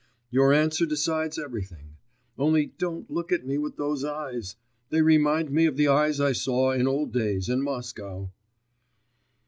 Your answer decides everything. Only don't look at me with those eyes.... They remind me of the eyes I saw in old days in Moscow.